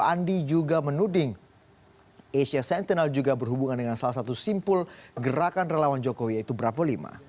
andi juga menuding asia sentinel juga berhubungan dengan salah satu simpul gerakan relawan jokowi yaitu bravo lima